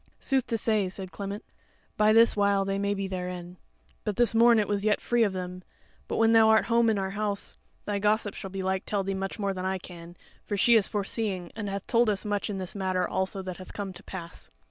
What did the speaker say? "Sooth to say," said Clement, "by this while they may be therein; but this morn it was yet free of them; but when thou art home in our house, thy gossip shall belike tell thee much more than I can; for she is foreseeing, and hath told us much in this matter also that hath come to pass."